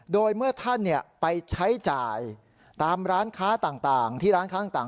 โดยเมื่อท่านไปใช้จ่ายตามร้านค้าต่างที่ร้านค้าต่าง